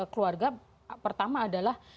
keluarga pertama adalah